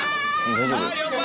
大丈夫？